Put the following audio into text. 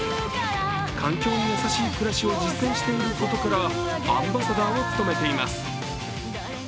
環境に優しい暮らしを実践していることからアンバサダーを務めています。